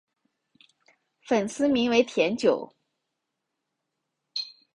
粉丝名为甜酒。